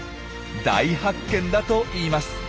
大発見だといいます。